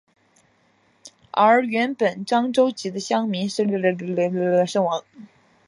而原本漳州籍的乡民是在外木山搭木造小庙奉祀原乡的守护神开漳圣王。